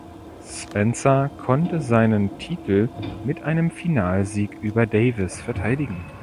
Spencer konnte seinen Titel mit einem Finalsieg über Davis verteidigen.